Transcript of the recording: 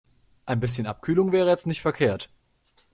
Ein bisschen Abkühlung wäre jetzt nicht verkehrt.